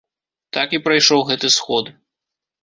Так і прайшоў гэты сход.